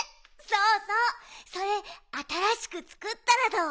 そうそうそれあたらしくつくったらどう？